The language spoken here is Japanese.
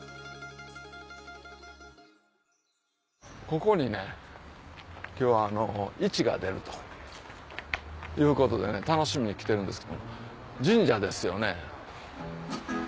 ここにね今日市が出るということでね楽しみに来てるんですけども神社ですよね。